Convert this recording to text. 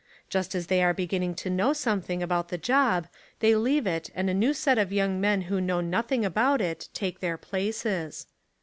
Just as they are beginning to know something about the job they leave it and a new set of young men who know nothing about it take their places.